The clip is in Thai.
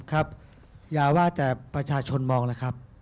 ครับอย่าว่าแต่ประชาชนมองนะครับ